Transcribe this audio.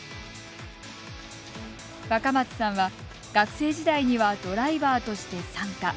若松さんは学生時代にはドライバーとして参加。